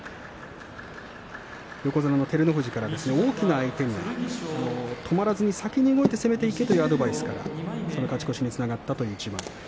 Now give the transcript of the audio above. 横綱の照ノ富士から大きな相手には止まらずに先に動いて攻めていけというアドバイスをいただいてそれが勝ち越しにつながったということです。